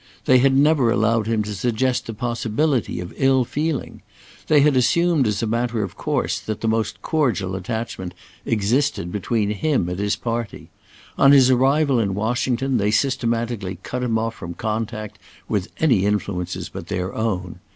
They had never allowed him to suggest the possibility of ill feeling. They had assumed as a matter of course that the most cordial attachment existed between him and his party. On his arrival in Washington they systematically cut him off from contact with any influences but their own.